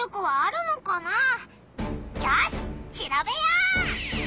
よししらべよう！